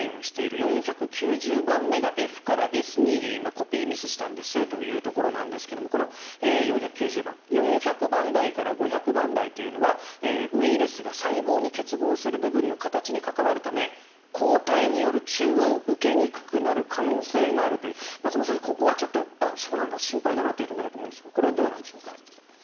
４９０番目がＦからＳにコピーミスしたんですよというところなんですがこの４９０番４００番台から５００番台というのはウイルスが細胞に結合する部分の形に関わるため抗体による中和を受けにくくなる可能性があるという松本先生、ここはちょっと心配だなと思うところですがこれはどうなんでしょうか？